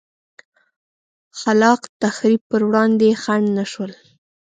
خلا ق تخریب پر وړاندې خنډ نه شول.